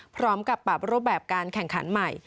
พร้อมกับปรับรูปแบบการแข่งขันใหม่